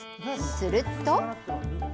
すると。